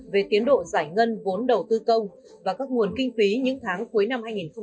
về tiến độ giải ngân vốn đầu tư công và các nguồn kinh phí những tháng cuối năm hai nghìn hai mươi ba